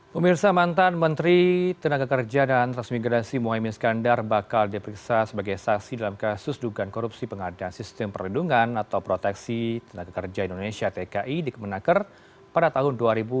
pemirsa mantan menteri tenaga kerja dan transmigrasi mohaimin skandar bakal diperiksa sebagai saksi dalam kasus dugaan korupsi pengadaan sistem perlindungan atau proteksi tenaga kerja indonesia tki di kemenaker pada tahun dua ribu dua puluh